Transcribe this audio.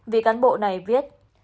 vì cán bộ này viết